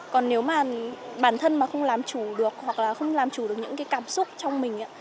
còn nếu mà bản thân mà không làm chủ được hoặc là không làm chủ được những cái cảm xúc trong mình